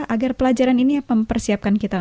agar pelajaran ini mempersiapkan kita